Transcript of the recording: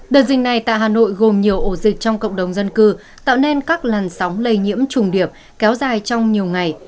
đợt dịch này tại hà nội gồm nhiều ổ dịch trong cộng đồng dân cư tạo nên các làn sóng lây nhiễm trùng điệp kéo dài trong nhiều ngày